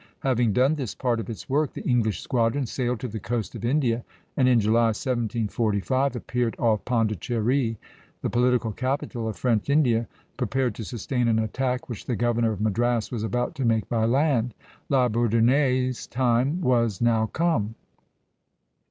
Having done this part of its work, the English squadron sailed to the coast of India, and in July, 1745, appeared off Pondicherry, the political capital of French India, prepared to sustain an attack which the governor of Madras was about to make by land. La Bourdonnais' time was now come.